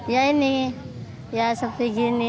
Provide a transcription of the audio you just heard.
ya ini ya seperti gini